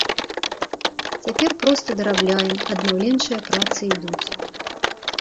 Цяпер проста дарабляем, аднаўленчыя працы ідуць.